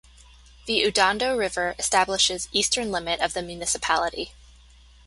The Udondo river establishes eastern limit of the municipality.